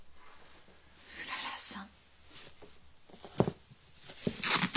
うららさん。